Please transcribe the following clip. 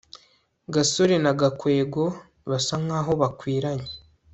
gasore na gakwego basa nkaho bakwiranye